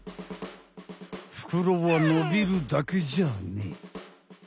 ふくろはのびるだけじゃねえ。